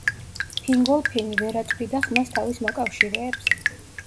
ფინგოლფინი ვერ აწვდიდა ხმას თავის მოკავშირეებს.